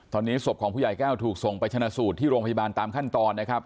ตอนนี้ศพของผู้ใหญ่แก้วถูกส่งไปชนะสูตรที่โรงพยาบาลตามขั้นตอนนะครับ